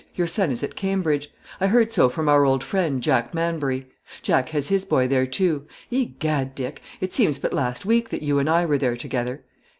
Your son is at Cambridge; I heard so from our old friend, Jack Manbury. Jack has his boy there too. Egad, Dick, it seems but last week that you and I were there together."